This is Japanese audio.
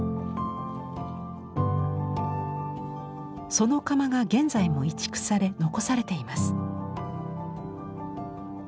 その窯が現在も移築され残されています。